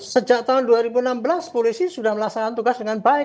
sejak tahun dua ribu enam belas polisi sudah melaksanakan tugas dengan baik